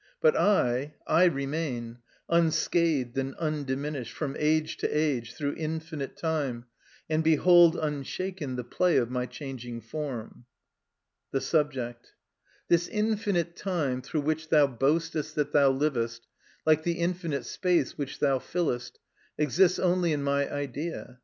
But I, I remain, unscathed and undiminished, from age to age, through infinite time, and behold unshaken the play of my changing form. The Subject. This infinite time through which thou boastest that thou livest, like the infinite space which thou fillest, exists only in my idea.